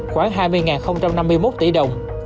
khoảng hai mươi năm mươi một tỷ đồng